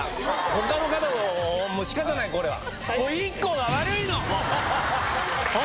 他の方も仕方ないこれは。